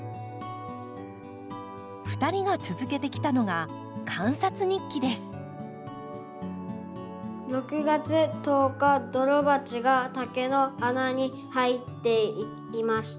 ２人が続けてきたのが「六月十日ドロバチが竹の穴に入っていきました。